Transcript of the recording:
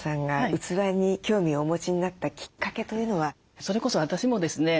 それこそ私もですね